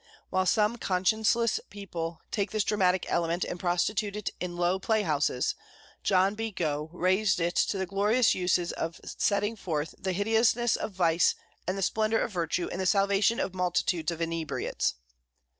While some conscienceless people take this dramatic element and prostitute it in low play houses, John B. Gough raised it to the glorious uses of setting forth the hideousness of vice and the splendour of virtue in the salvation of multitudes of inebriates.